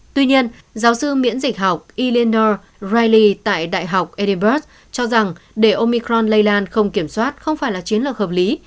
tuy nhiên giáo sư miễn dịch học eleanor riley tại đại học edinburgh cho rằng để omicron lây lan không kiểm soát không phải là chiến lược hợp lý